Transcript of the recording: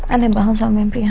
aneh banget soal mimpi ya